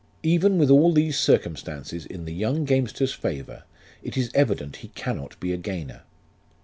Even with all these circumstances in the young gamester's favour, it is evident he cannot be a gainer.